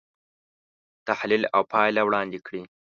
تحلیل او پایله وړاندې کړي.